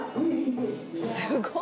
すごい。